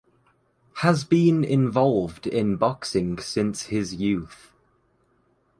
Has been involved in boxing since his youth.